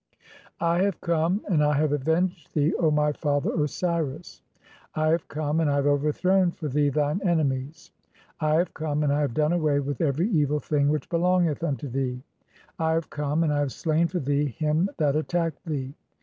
] (8) "I have come, and I have avenged [thee, O my father "Osiris]. (9) "I have come, and I have overthrown for thee thine ene "mies. (10) "I have come, and I have done away with every evil "thing which belongeth unto thee. (11) "I have come, and I have slain for thee him that at tacked thee.